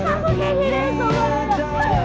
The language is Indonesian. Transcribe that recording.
aku gak mau kini